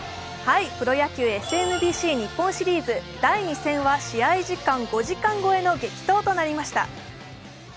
プロ野球ＳＭＢＣ日本シリーズ第２戦は試合時間５時間超えの激闘となりました。